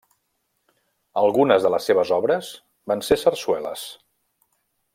Algunes de les seves obres van ser sarsueles.